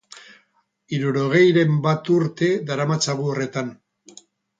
Hirurogeiren bat urte daramatzagu horretan.